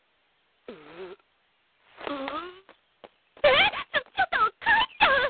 えっちょっちょっと帰っちゃう！？